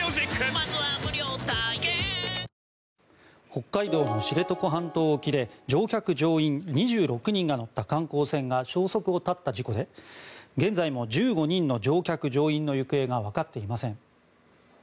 北海道知床半島沖で乗客・乗員２６人が乗った観光船が消息を絶った事故で現在も１５人の乗客・乗員の行方が分かっていません。